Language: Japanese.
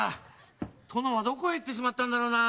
殿はどこへ行ってしまったんだろうな。